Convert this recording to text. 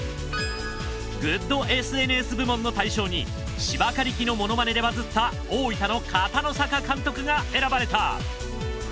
グッドＳＮＳ部門の大賞に芝刈り機のものまねでバズった大分の片野坂監督が選ばれた。